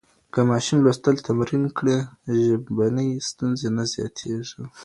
که ماشوم لوستل تمرین کړي، ژبني ستونزې نه زیاتېږي.